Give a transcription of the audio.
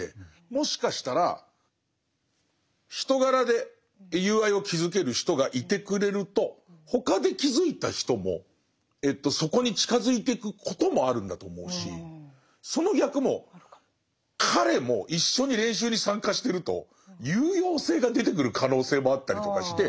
もしかしたら人柄で友愛を築ける人がいてくれると他で築いた人もそこに近づいてくこともあるんだと思うしその逆も彼も一緒に練習に参加してると有用性が出てくる可能性もあったりとかして。